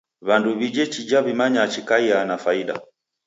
W'andu w'ije chija w'amanya chikaiaa na faida.